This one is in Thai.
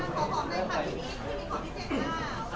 สวัสดีค่ะ